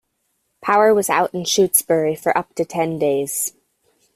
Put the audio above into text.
Power was out in Shutesbury for up to ten days.